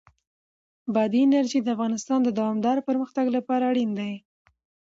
بادي انرژي د افغانستان د دوامداره پرمختګ لپاره اړین دي.